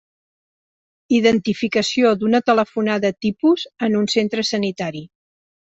Identificació d'una telefonada tipus en un centro sanitari.